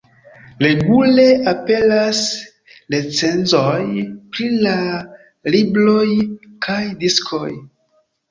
Regule aperas recenzoj pri la libroj kaj diskoj.